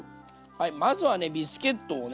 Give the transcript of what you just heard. まずはねビスケットをね